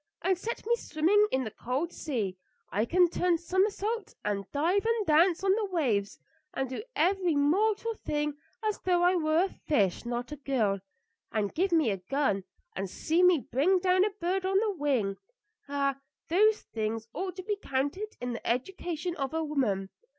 And set me swimming in the cold sea; I can turn somersaults and dive and dance on the waves, and do every mortal thing as though I were a fish, not a girl. And give me a gun and see me bring down a bird on the wing. Ah! those things ought to be counted in the education of a woman.